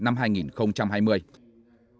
hẹn gặp lại các bạn trong những video tiếp theo